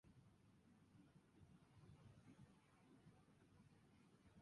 生き方のレシピ